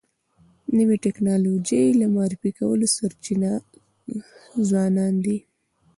د نوې ټکنالوژی د معرفي کولو سرچینه ځوانان دي.